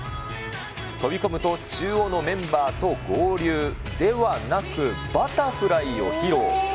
飛び込むと中央のメンバーと合流ではなく、バタフライを披露。